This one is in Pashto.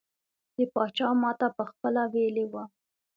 د پاچا ماته پخپله ویلي وو.